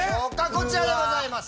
こちらでございます。